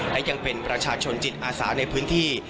และยังเป็นประชาชนจิตอาสาในพื้นที่